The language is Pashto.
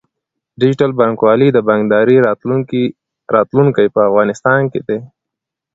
ډیجیټل بانکوالي د بانکدارۍ راتلونکی په افغانستان کې دی۔